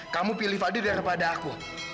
kamu pilih fadli daripada aku